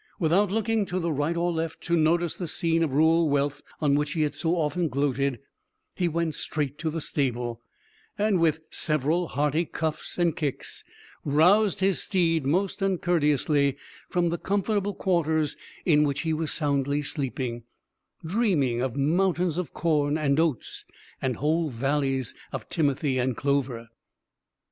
Without looking to the right or left to notice the scene of rural wealth on which he had so often gloated, he went straight to the stable, and with several hearty cuffs and kicks roused his steed most uncourteously from the comfortable quarters in which he was soundly sleeping, dreaming of mountains of corn and oats, and whole valleys of timothy and clover.